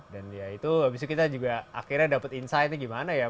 ya itu abis itu kita juga akhirnya dapat insightnya gimana ya